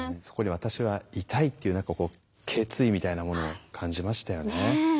そこに私はいたいっていう何かこう決意みたいなものを感じましたよね。